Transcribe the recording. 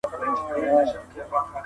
عزت په ایمان او نېک عمل کي دی.